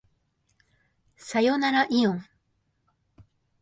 さよならいおん